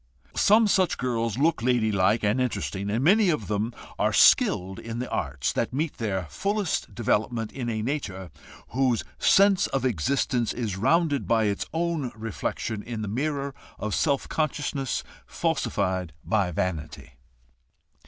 Some such girls look lady like and interesting, and many of them are skilled in the arts that meet their fullest development in a nature whose sense of existence is rounded by its own reflection in the mirror of self consciousness falsified by vanity.